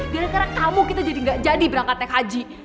gara gara kamu kita jadi gak jadi berangkat naik haji